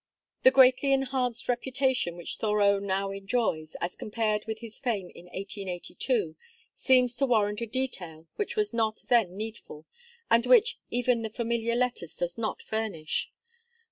The greatly enhanced reputation which Thoreau now enjoys, as compared with his fame in 1882, seems to warrant a detail which was not then needful, and which even the "Familiar Letters" does not furnish.